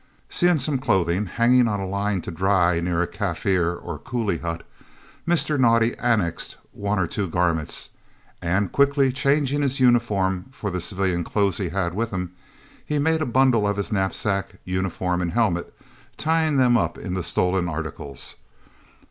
Seeing some clothing hanging on a line to dry near a Kaffir or coolie hut, Mr. Naudé annexed one or two garments, and, quickly changing his uniform for the civilian clothes he had with him, he made a bundle of his knapsack, uniform, and helmet, tying them up in the stolen articles.